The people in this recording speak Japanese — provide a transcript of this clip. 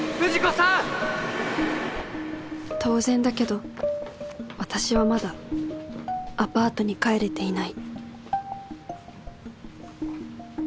当然だけど私はまだアパートに帰れていない・